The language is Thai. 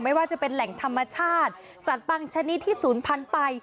ไม่ว่าจะเป็นแหล่งธรรมชาติสัตว์บางชนิดที่ศูนย์พันธุ์ไป